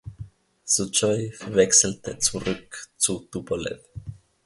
Suchoi wechselte zurück zu Tupolew.